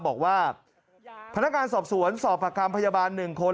บอกว่าพนักงานสอบสวนสอบประคำพยาบาล๑คน